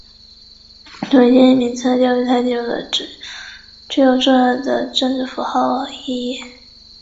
新港街道是位于中国福建省福州市台江区东部的一个街道。